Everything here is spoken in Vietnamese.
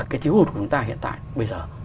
cái thiếu hụt của chúng ta hiện tại bây giờ